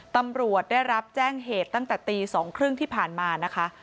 ตำรวจได้รับแจ้งเหตุตั้งแต่ตี๒๓๐ที่ผ่านมานะคะ